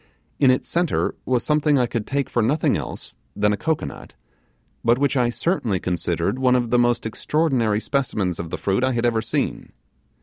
In its centre was something I could take for nothing else than a cocoanut, but which I certainly considered one of the most extraordinary specimens of the fruit I had ever seen.